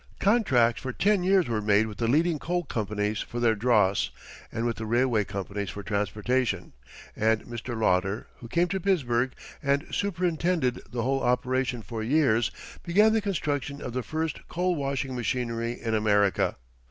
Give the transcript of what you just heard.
Contracts for ten years were made with the leading coal companies for their dross and with the railway companies for transportation, and Mr. Lauder, who came to Pittsburgh and superintended the whole operation for years, began the construction of the first coal washing machinery in America.